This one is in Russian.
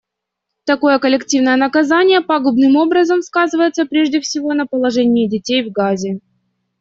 Такое коллективное наказание пагубным образом сказывается, прежде всего, на положении детей в Газе.